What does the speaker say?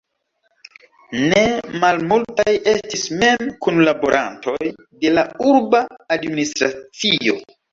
Ne malmultaj estis mem kunlaborantoj de la urba administracio.